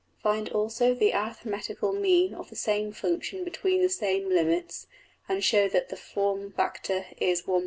Find also the arithmetical mean of the same function between the same limits; and show that the form factor is~$=1.